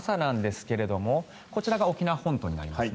こちらは昨日の朝なんですがこちらが沖縄本島になります。